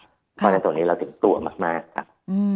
เพราะฉะนั้นตรงนี้เราถึงกลัวมากครับ